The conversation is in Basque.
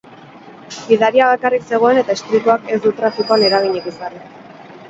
Gidaria bakarrik zegoen eta istripuak ez du trafikoan eraginik izan.